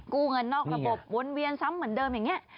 กู้เงินนอกระบบวนเวียนซ้ำเหมือนเดิมอย่างนี้